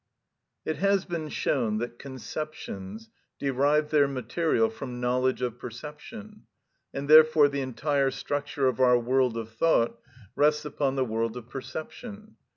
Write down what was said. It has been shown that conceptions derive their material from knowledge of perception, and therefore the entire structure of our world of thought rests upon the world of perception.